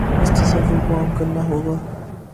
اس تصور کو عام کرنا ہو گا۔